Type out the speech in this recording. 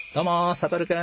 サトルくん。